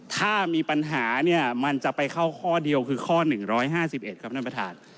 ถ้ามีปัญหาเนี่ยมันจะไปเข้าข้อเดียวคือข้อ๑๕๑ครับท่านประธาน